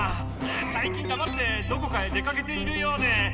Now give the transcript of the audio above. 最近だまってどこかへ出かけているようで。